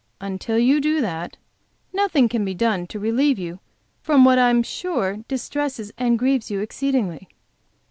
Until you do that, nothing can be done to relieve you from what I am sure, distresses and grieves you exceedingly.